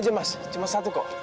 aja mas cuma satu kok